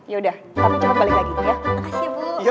ya udah tapi jangan balik lagi ya